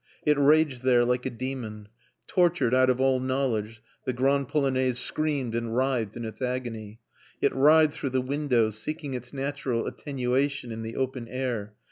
It raged there like a demon. Tortured out of all knowledge, the Grande Polonaise screamed and writhed in its agony. It writhed through the windows, seeking its natural attenuation in the open air.